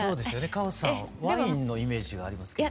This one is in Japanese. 歌穂さんはワインのイメージがありますけど。